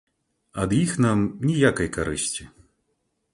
Ад іх нам ніякай карысці.